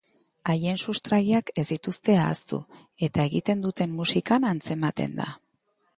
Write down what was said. Haien sustraiak ez dituzte ahaztu eta egiten duten musikan antzematen da.